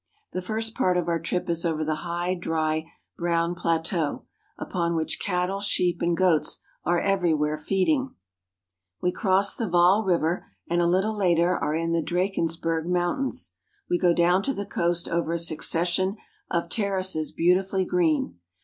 The first part of our trip is over the high, dry, brown plateau, upon which cattle, sheep, and goats are every where feeding. We cross the Vaal River, and a little later are in the Drakensberg Mountains. We go down to the coast over a succession of terraces beautifully green.